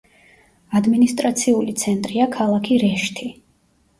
ადმინისტრაციული ცენტრია ქალაქი რეშთი.